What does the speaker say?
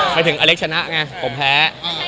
หมายถึงอเล็กชนะไงผมแพ้